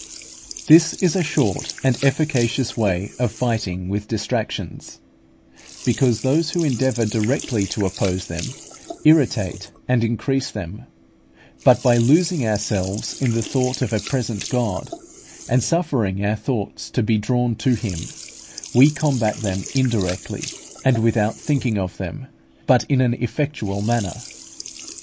This is a short and efficacious way of fighting with distractions; because those who endeavour directly to oppose them, irritate and increase them; but by losing ourselves in the thought of a present God, and suffering our thoughts to be drawn to Him, we combat them indirectly, and without thinking of them, but in an effectual manner.